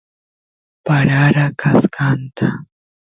parara kaskanta